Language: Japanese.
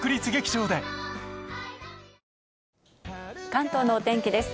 関東のお天気です。